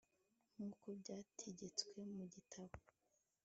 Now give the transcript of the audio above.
nk uko byategetswe mu gitabo